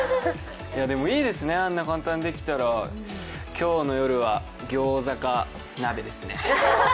いいですね、あんな簡単にできたら今日の夜は、餃子か鍋ですね。